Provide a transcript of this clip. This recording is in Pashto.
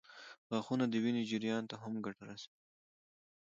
غاښونه د وینې جریان ته هم ګټه رسوي.